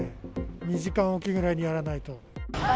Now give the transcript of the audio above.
２時間おきぐらいにやらないと。